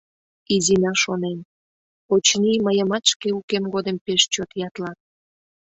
Изина шонен: «Очыни, мыйымат шке укем годым пеш чот ятлат...»